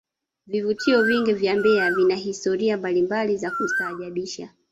vivutio vingi vya mbeya vina historia mbalimbali za kustaajabisha